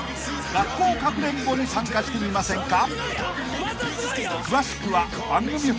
学校かくれんぼに参加してみませんか？］